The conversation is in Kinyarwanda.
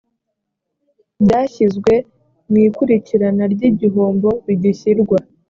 byashyizwe mu ikurikirana ry igihombo bigishyirwa